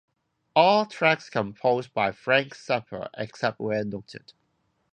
All tracks composed by Frank Zappa, except where noted.